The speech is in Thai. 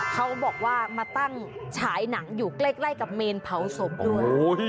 เขาบอกว่ามาตั้งฉายหนังอยู่ใกล้กับเมนเผาศพด้วย